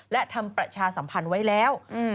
และทำประชาสัมพันธ์ไว้แล้ว